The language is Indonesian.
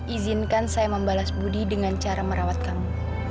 izinkan saya membalas budi dengan cara merawat kamu